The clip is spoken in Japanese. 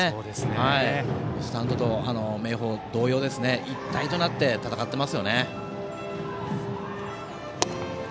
明豊同様、スタンドと一体となって戦っていますね。